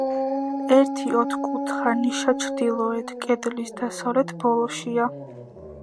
ერთი ოთხკუთხა ნიშა ჩრდილოეთ კედლის დასავლეთ ბოლოშია.